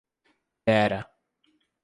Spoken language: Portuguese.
Vera